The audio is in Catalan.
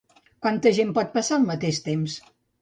Quanta gent pot passar al mateix temps?